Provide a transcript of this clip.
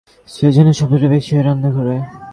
সে জন্যেই শব্দটা বেশি হয় রান্নাঘরে।